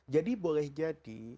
jadi boleh jadi